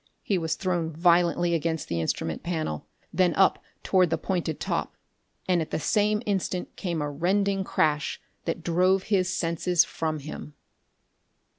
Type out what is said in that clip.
He was thrown violently against the instrument panel; then up toward the pointed top; and at the same instant came a rending crash that drove his senses from him....